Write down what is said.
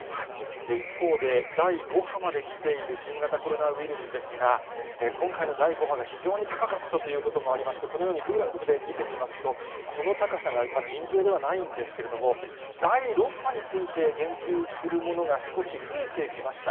一方で、第５波まで来ている新型コロナウイルスですが、今回の第５波が非常に高かったということもありまして、このようにグラフで見てみますと、この高さが尋常ではないんですけれども、第６波について言及するものが、少し増えてきました。